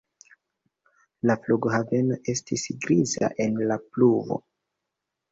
La flughaveno estis griza en la pluvo.